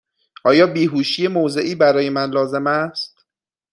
آیا بیهوشی موضعی برای من لازم است؟